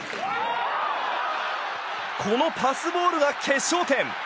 このパスボールが決勝点。